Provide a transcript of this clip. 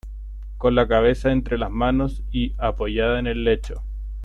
Con la cabeza entre las manos y apoyada en el lecho.